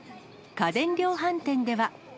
家電量販店では。